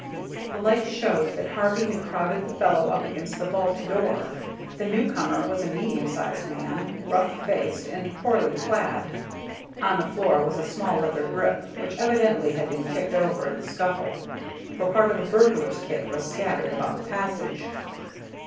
The light showed that Harvey had crowded the fellow up against the vault door. The newcomer was a medium sized man, rough faced, and poorly clad. On the floor was a small leather grip, which evidently had been kicked over in the scuffle, for part of a burglar's kit was scattered about the passage.